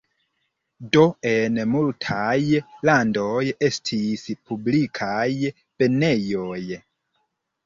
Do en multaj landoj estis publikaj banejoj.